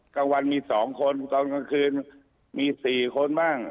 กลางวันมีสองคนกลางกลางคืนมีสี่คนบ้าง